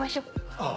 ああ。